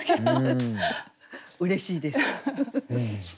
うれしいです。